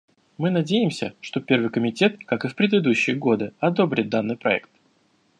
Мы надеемся, что Первый комитет, как и в предыдущие годы, одобрит данный проект.